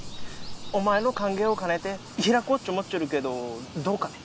お前の歓迎を兼ねて開こうっち思っちょるけどどうかね？